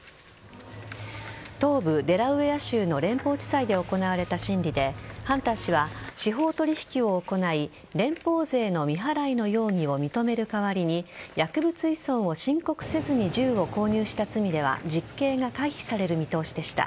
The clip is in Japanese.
東部・デラウェア州の連邦地裁で行われた審理でハンター氏は司法取引を行い連邦税の未払いの容疑を認める代わりに薬物依存を申告せずに銃を購入した罪では実刑が回避される見通しでした。